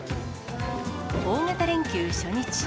大型連休初日。